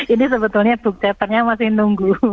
ini sebetulnya bukteternya masih nunggu